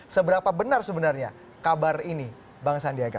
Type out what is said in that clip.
seberapa benar sebenarnya kabar ini bang sandiaga